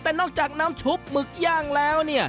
แต่นอกจากน้ำชุบหมึกย่างแล้วเนี่ย